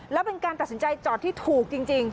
แล้วเป็นการตัดสินใจจอดที่ถูกจริง